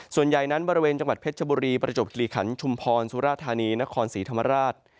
ส่วนใหญ่นั้นบริเวณจังหวัดเพชรชบุรีประจบคิริขันชุมพรสุราธานีนครศรีธรรมราช